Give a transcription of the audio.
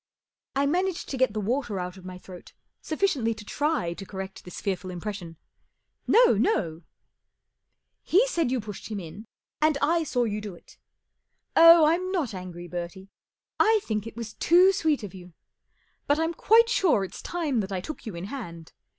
I managed to get the water out of my throat sufficiently to try to correct this fearful impression. M No, no !"" He said you pushed him in, and I saw you do it. Oh, I'm not angry, Bertie. I think it was too sweet of you. But I'm quite sure it's time that I took you in hand.